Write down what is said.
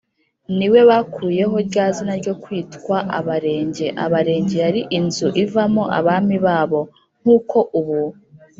ni we bakuyeho rya zina ryo kwitwa abarenge. abarenge yari inzu ivamo abami babo, nk’uko ubu